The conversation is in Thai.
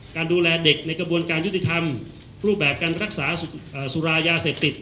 การดูแลเด็กในกระบวนการยุติธรรมรูปแบบการรักษาสุรายาเสพติด